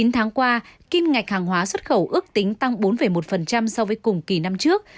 chín tháng qua kim ngạch hàng hóa xuất khẩu ước tính tăng bốn một so với cùng kỳ năm trước